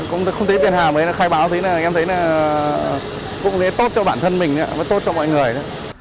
công ty tiền hàm khai báo em thấy là cũng tốt cho bản thân mình tốt cho mọi người